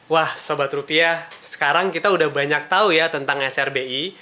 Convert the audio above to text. wah sobat rupiah sekarang kita udah banyak tahu ya tentang srbi